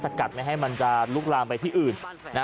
กัดไม่ให้มันจะลุกลามไปที่อื่น